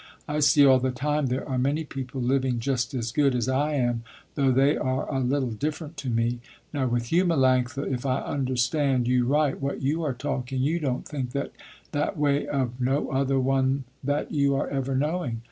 I see all the time there are many people living just as good as I am, though they are a little different to me. Now with you Melanctha if I understand you right what you are talking, you don't think that way of no other one that you are ever knowing."